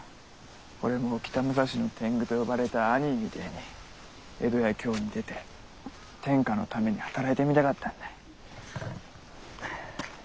俺も北武蔵の天狗と呼ばれたあにぃみてぇに江戸や京に出て天下のために働いてみたかったんだい。